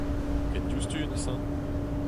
Ken diouzhtu neuze.